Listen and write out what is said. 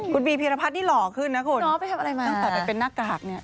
คุณบีเพียรพัฒน์นี่หล่อขึ้นนะคุณต่อไปเป็นหน้ากากเนี่ยหล่อไปทำอะไรมา